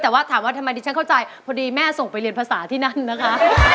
แต่ว่าถามว่าทำไมดิฉันเข้าใจพอดีแม่ส่งไปเรียนภาษาที่นั่นนะคะ